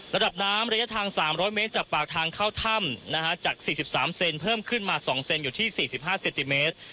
ระดับน้ำระยะทาง๓๐๐เมตรจากปากทางเข้าถ้ำจาก๔๓เซนเพิ่มขึ้นมา๒เซนอยู่ที่๔๕เซนติเมตร